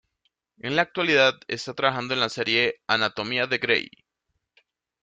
En la actualidad está trabajando en la serie "Anatomía de Grey".